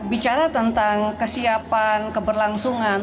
bicara tentang kesiapan keberlangsungan